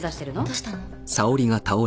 どうしたの？